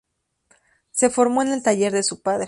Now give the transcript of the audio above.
Se formó en el taller de su padre.